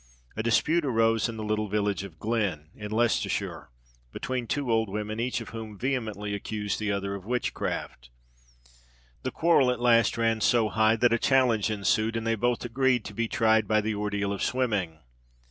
A dispute arose in the little village of Glen, in Leicestershire, between two old women, each of whom vehemently accused the other of witchcraft. The quarrel at last ran so high that a challenge ensued, and they both agreed to be tried by the ordeal of swimming.